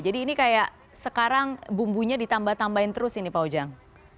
jadi ini kayak sekarang bumbunya ditambah tambahin terus ini pak ujang